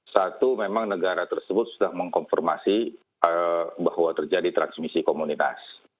satu memang negara tersebut sudah mengkonfirmasi bahwa terjadi transmisi komunitas